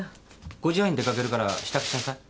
５時半に出かけるから支度しなさい。